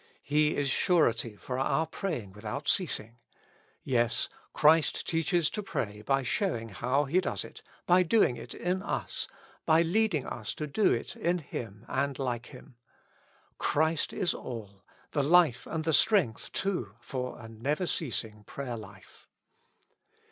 He is surety for our praying without ceasing. Yes, Christ teaches to pray by showing how He does it, by doing it in us, by lead ing us to do it in Him and like Him. Christ is all, the life and the strength too for a never ceasing prayer life.